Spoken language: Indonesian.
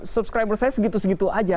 subscriber saya segitu segitu aja